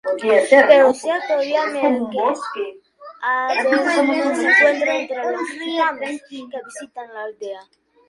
Pero cierto día, Melquíades no se encuentra entre los gitanos que visitan la aldea.